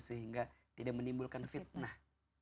sehingga tidak menimbulkan fitnah